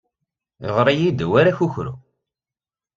Ɣer-iyi-d war akukru.